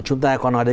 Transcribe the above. chúng ta có nói đến